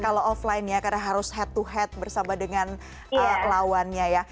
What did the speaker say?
kalau offline ya karena harus head to head bersama dengan lawannya ya